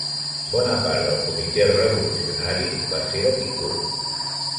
Bona part del Comitè revolucionari va ser detingut.